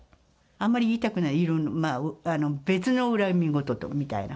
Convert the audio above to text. あんまり言いたくない、あんまり、別の恨みごとみたいな。